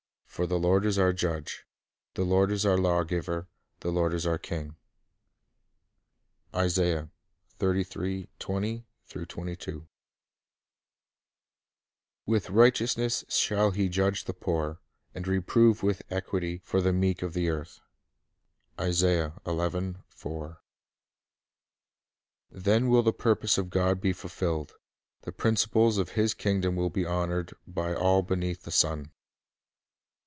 ... For the Lord is our judge, the Lord is our lawgiver, the Lord is our king." 3 "With righteousness shall He judge the poor, and reprove with equity for the meek of the earth." * Then will the purpose of God be fulfilled; the prin ciples of His kingdom will be honored by all beneath the sun.